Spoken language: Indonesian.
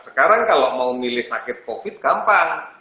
sekarang kalau mau milih sakit covid gampang